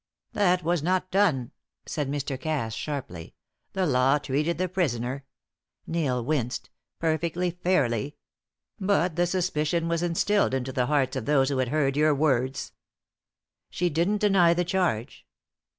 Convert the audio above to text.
"That was not done," said Mr. Cass sharply. "The law treated the prisoner" Neil winced "perfectly fairly. But the suspicion was instilled into the hearts of those who had heard your words." "She didn't deny the charge?"